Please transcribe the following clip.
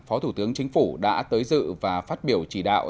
phó thủ tướng chính phủ đã tới dự và phát biểu chỉ đạo